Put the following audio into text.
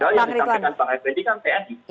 padahal yang ditampilkan bang fbd kan tni